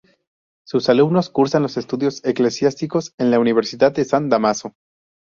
Sus alumnos cursan los estudios eclesiásticos en la Universidad de San Dámaso.